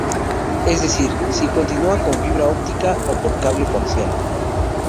Es decir, si continúa con fibra óptica, o por cable coaxial.